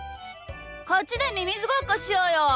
こっちでミミズごっこしようよ。